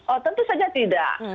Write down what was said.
oh tentu saja tidak